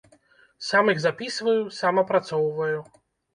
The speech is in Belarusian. Сам іх запісваю, сам апрацоўваю.